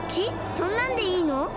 そんなんでいいの？